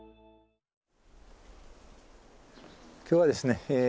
今日はですね